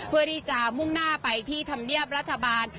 เพื่อที่จะมุ่งหน้าไปที่ธรรมเนียบรัฐบาล